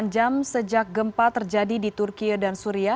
delapan jam sejak gempa terjadi di turkiye dan suria